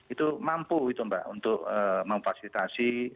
itu mampu itu mbak untuk memfasilitasi